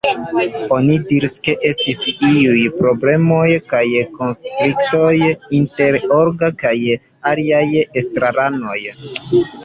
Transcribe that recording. Oni diris ke estis iuj problemoj kaj konfliktoj inter Olga kaj aliaj estraranoj.